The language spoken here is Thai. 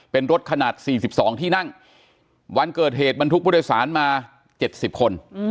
เป็นรถขนาด๔๒ที่นั่งวันเกิดเหตุบรรทุกผู้โดยสารมา๗๐คน